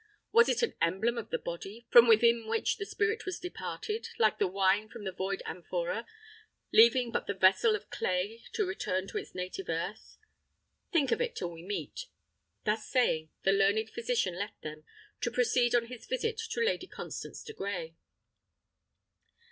Was it an emblem of the body, from within which the spirit was departed, like the wine from the void amphora, leaving but the vessel of clay to return to its native earth? Think of it till we meet." Thus saying, the learned physician left them, to proceed on his visit to Lady Constance de Grey.